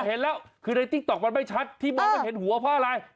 เห็นแล้วคือในติ๊กต๊อกมันไม่ชัดที่บอกว่าเห็นหัวเพราะอะไร